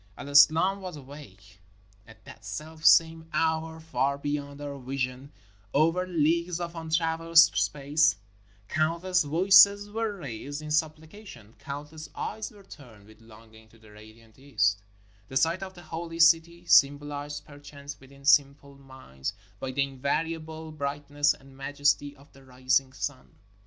El Islam was awake. At that selfsame hour, far be yond our vision, over leagues of untraversed space, countless voices were raised in supplication, countless eyes were turned with longing to the radiant east — the site of the Holy City, symbolized perchance within sim ple minds by the invariable brightness and majesty of the rising sun.